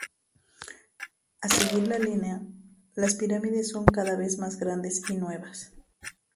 A seguir la línea, las pirámides son cada vez más grandes y nuevas.